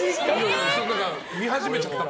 見始めちゃったら。